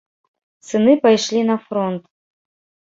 Сыны пайшлі на фронт.